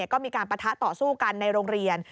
ก็มีการปะทะต่อสู้กันในโรงเรียน